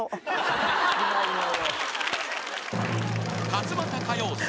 ［勝俣歌謡祭。